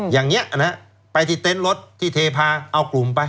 อย่างนี้นะฮะไปที่เต็นต์รถที่เทพาเอากลุ่มไป